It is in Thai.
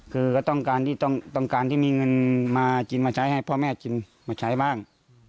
คือก็ต้องการที่ต้องการที่มีเงินมากินมาใช้ให้พ่อแม่กินมาใช้บ้าง